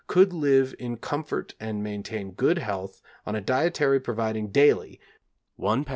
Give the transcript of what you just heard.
could live in comfort and maintain good health on a dietary providing daily 1 lb.